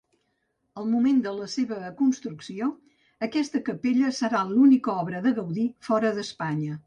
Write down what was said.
Al moment de la seva construcció, aquesta capella serà l'única obra de Gaudí fora d'Espanya.